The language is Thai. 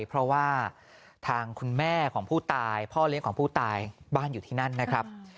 เพราะว่าทางคุณแม่ของผู้ตายพ่อเลี้ยงของผู้ตายบ้านอยู่ที่นั่นนะครับ